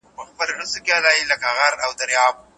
که مینه موجوده وي نو زده کړه په خپله کیږي.